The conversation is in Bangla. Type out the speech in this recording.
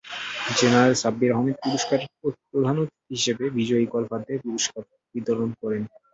জেনারেল সাব্বির আহমেদ প্রধান অতিথি হিসেবে বিজয়ী গলফারদের পুরস্কার বিতরণ করেন।